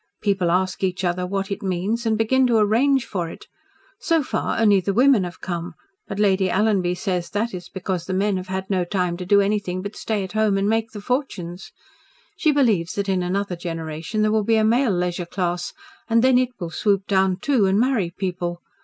People ask each other what it means and begin to arrange for it. So far, only the women have come, but Lady Alanby says that is because the men have had no time to do anything but stay at home and make the fortunes. She believes that in another generation there will be a male leisure class, and then it will swoop down too, and marry people.